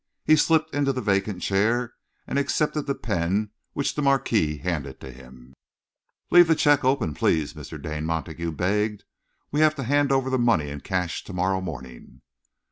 He slipped into the vacant chair and accepted the pen which the Marquis handed to him. "Leave the cheque open, please," Mr. Dane Montague begged. "We have to hand the money over in cash to morrow morning."